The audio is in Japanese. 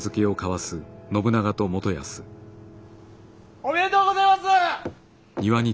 おめでとうごぜます！